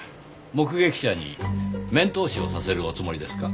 目撃者に面通しをさせるおつもりですか？